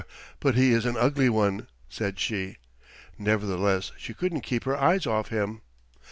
"Br r r! But he is an ugly one," said she. Nevertheless she couldn't keep her eyes off him.